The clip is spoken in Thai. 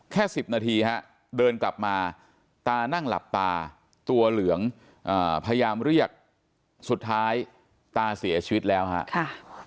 สิบนาทีฮะเดินกลับมาตานั่งหลับตาตัวเหลืองพยายามเรียกสุดท้ายตาเสียชีวิตแล้วฮะ